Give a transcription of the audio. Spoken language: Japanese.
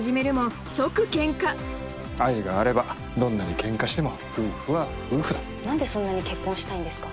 愛があればどんなにケンカしても夫婦は夫婦だなんでそんなに結婚したいんですか